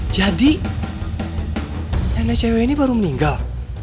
jadi nana cewek ini baru meninggal